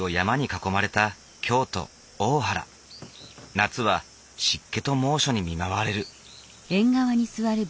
夏は湿気と猛暑に見舞われる。